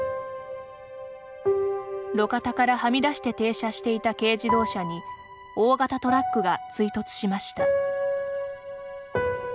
路肩からはみ出して停車していた軽自動車に大型トラックが追突しました。